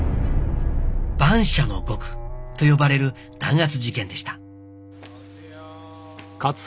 蛮社の獄と呼ばれる弾圧事件でしたあ